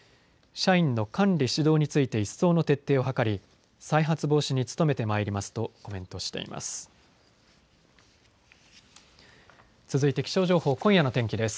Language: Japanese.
社員の管理・指導について一層の徹底を図り再発防止に努めてまいりますとコメントしています。